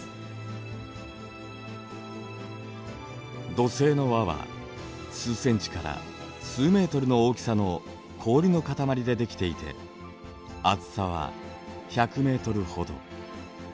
土星の環は数センチから数メートルの大きさの氷の塊でできていて厚さは１００ｍほど。